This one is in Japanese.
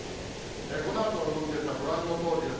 このあとの動きですが、ご覧のとおりです。